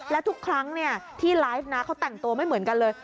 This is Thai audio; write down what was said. และทุกครั้งที่ไลฟ์นะเขาแต่งตัวไม่เหมือนกันเลย